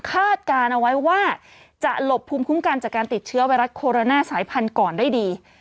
การเอาไว้ว่าจะหลบภูมิคุ้มกันจากการติดเชื้อไวรัสโคโรนาสายพันธุ์ก่อนได้ดี